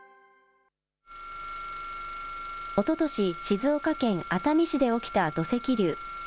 おととし、静岡県熱海市で起きた土石流。